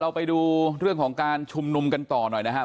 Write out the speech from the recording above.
ไปดูเรื่องของการชุมนุมกันต่อหน่อยนะครับ